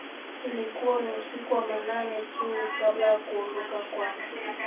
Ilikuwa ni usiku wa manane tu, kabla ya kuondoka kwake